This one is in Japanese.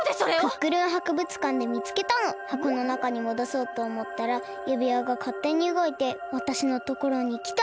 クックルンはくぶつかんでみつけたの。はこのなかにもどそうとおもったらゆびわがかってにうごいてわたしのところにきたの。